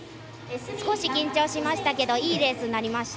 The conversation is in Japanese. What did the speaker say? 少し緊張しましたけどいいレースになりました。